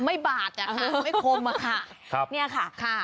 ไม่บาดค่ะไม่คมอ่ะค่ะ